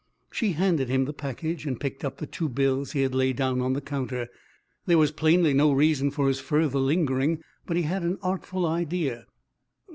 She handed him the package and picked up the two bills he had laid down on the counter. There was plainly no reason for his further lingering. But he had an artful idea.